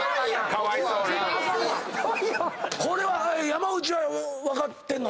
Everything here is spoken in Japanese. これは山内は分かってんの？